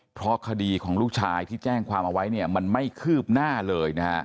เพราะคดีของลูกชายที่แจ้งความเอาไว้เนี่ยมันไม่คืบหน้าเลยนะฮะ